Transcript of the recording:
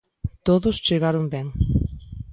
Todos chegaron ben.